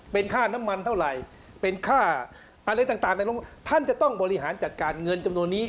เป็นค่าน้ำมันเท่าไหร่เป็นค่าอะไรต่างในท่านจะต้องบริหารจัดการเงินจำนวนนี้